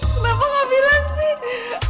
kenapa gak bilang sih